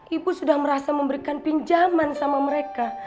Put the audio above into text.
ibu sudah merasa memberikan pinjaman sama mereka